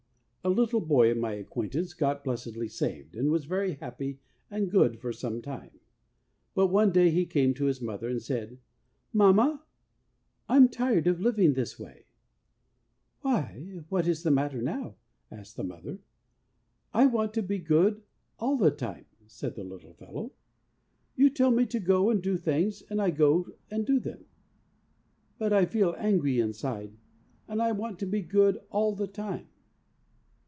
A little boy of my acquaintance got blessedly saved, and was very happy and good for some time. But one day he came to his mother, and said, 'Mamma, I'm tired of living this way.' ' Why, what is the matter now ?' asked the mother. 'I want to be good all the time,' said the little fellow. 'You tell me to go and do things, and I go and do them ; but I feel angry inside, and I want to be good all the time.